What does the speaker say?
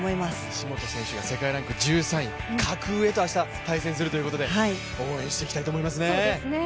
西本選手が世界ランキング１３位格上と明日対戦するということで応援していきましょう。